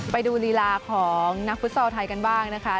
ไปดูลีลาของนักฟุตซอลไทยกันบ้างนะคะ